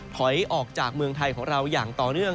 ถอยออกจากเมืองไทยของเราอย่างต่อเนื่อง